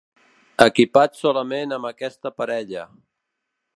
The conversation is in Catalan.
Equipat solament amb aquesta parella.